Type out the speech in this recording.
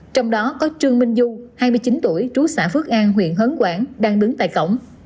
trong đó có trương minh du hai mươi chín tuổi trú xã phước an huyện hớn quảng đang đứng tại cổng